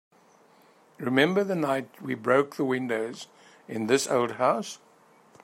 Remember the night we broke the windows in this old house?